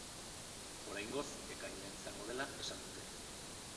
Oraingoz, ekainean izango dela esan dute.